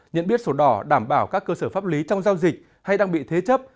nhận biết sổ đỏ đảm bảo các cơ sở pháp lý trong giao dịch hay đang bị thế chấp